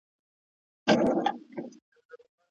که پوه شو، نو د غلطو تبلیغاتو فکر به خلاص کړو.